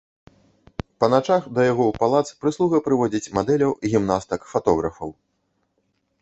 Па начах да яго ў палац прыслуга прыводзіць мадэляў, гімнастак, фатографаў.